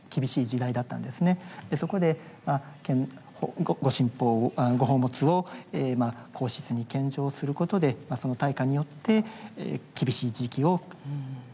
そこでご宝物を皇室に献上することでその対価によって厳しい時期をしのいだということです。